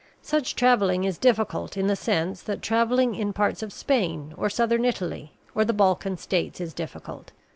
Such travelling is difficult in the sense that travelling in parts of Spain or southern Italy or the Balkan states is difficult.